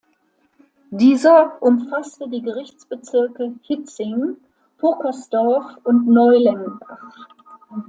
Dieser umfasste die Gerichtsbezirke Hietzing, Purkersdorf und Neulengbach.